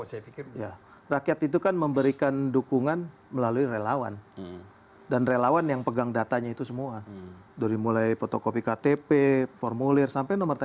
saya rasa ini adalah keuntungan kita untuk mencapai itu